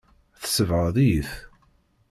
Tsebɣeḍ-iyi-t.